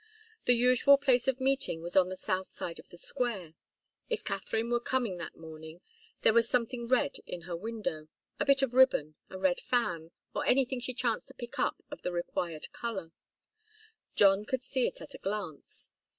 The usual place of meeting was on the south side of the Square. If Katharine were coming that morning there was something red in her window, a bit of ribbon, a red fan, or anything she chanced to pick up of the required colour. John could see it at a glance.